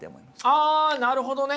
あなるほどね！